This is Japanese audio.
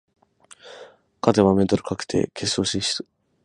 勝てばメダル確定、決勝進出。